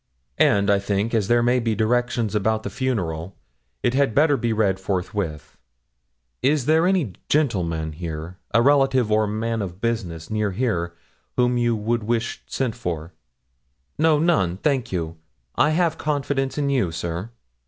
And, I think, as there may be directions about the funeral, it had better be read forthwith. Is there any gentleman a relative or man of business near here, whom you would wish sent for?' 'No, none, thank you; I have confidence in you, sir.'